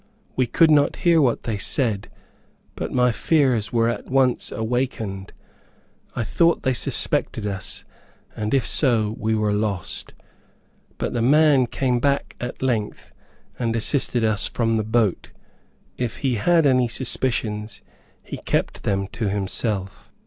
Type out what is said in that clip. We could not hear what they said, but my fears were at once awakened. I thought they suspected us, and if so, we were lost. But the man came back at length, and, assisted us from the boat. If he had any suspicions he kept them to himself.